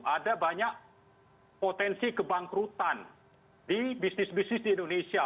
ada banyak potensi kebangkrutan di bisnis bisnis di indonesia